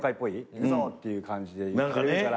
「行くぞ」っていう感じで言ってくれるから。